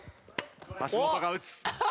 橋本が打つ。